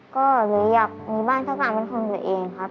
ก็เลยอยากมีบ้านเท่ากันเป็นของตัวเองครับ